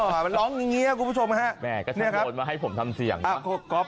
อ้าวมันร้องหงิงเงียครับคุณผู้ชมนะครับ